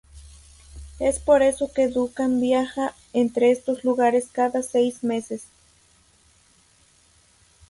Es por eso que Duncan viaja entre estos lugares cada seis meses.